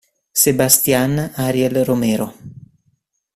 Sebastián Ariel Romero